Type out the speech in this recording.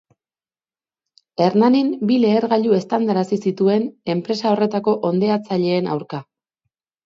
Hernanin bi lehergailu eztandarazi zituen enpresa horretako hondeatzaileen aurka.